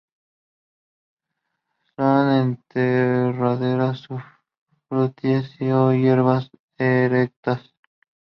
Son enredaderas sufrútices o hierbas erectas.